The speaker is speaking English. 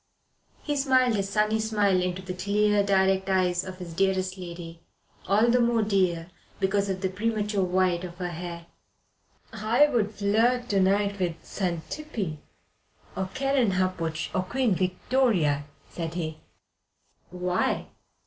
He smiled his sunny smile into the clear, direct eyes of his dearest lady all the more dear because of the premature white of her hair. "I would flirt to night with Xantippe, or Kerenhappuch, or Queen Victoria," said he. "Why?"